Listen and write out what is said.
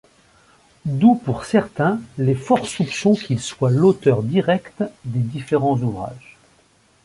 D'où pour certains les forts soupçons qu'il soit l'auteur direct des différents ouvrages.